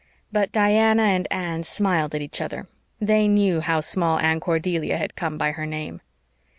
But Diana and Anne smiled at each other. They knew how Small Anne Cordelia had come by her name.